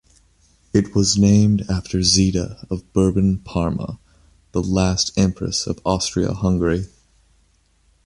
It was named after Zita of Bourbon-Parma, the last empress of Austria-Hungary.